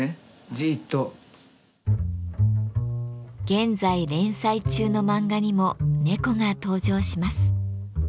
現在連載中の漫画にも猫が登場します。